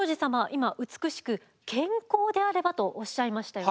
今美しく健康であればとおっしゃいましたよね？